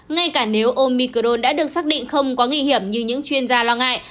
ngay cả nếu omicron đã được xác định không quá nguy hiểm như những chuyên gia lo ngại